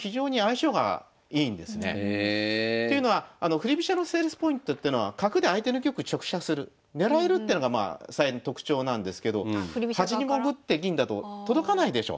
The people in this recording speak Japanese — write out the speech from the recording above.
振り飛車のセールスポイントってのは角で相手の玉直射する狙えるってのが最大の特徴なんですけど端に潜って銀だと届かないでしょ。